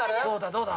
どうだ？